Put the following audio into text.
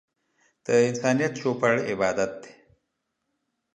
د انسانيت چوپړ عبادت دی.